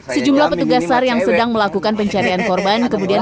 sejumlah petugas sar yang sedang melakukan pencarian korban kemudian